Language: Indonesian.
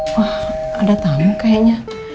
wah ada tamu kayaknya